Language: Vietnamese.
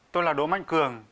tôi là đỗ mạnh cường